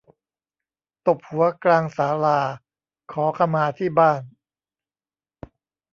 ตบหัวกลางศาลา ขอขมาที่บ้าน